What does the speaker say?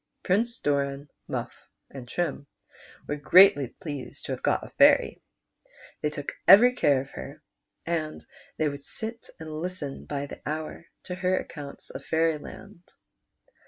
Prince Doran, Mufif, and Trim were greatly pleased to have got a fairy. They took every care of her, and the\' would sit and listen by the hour to her accounts of Fairyland.